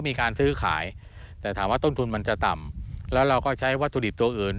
มีการซื้อขายแต่ถามว่าต้นทุนมันจะต่ำแล้วเราก็ใช้วัตถุดิบตัวอื่น